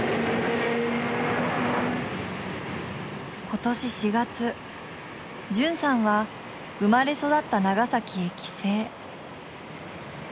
今年４月絢さんは生まれ育った長崎へ帰省。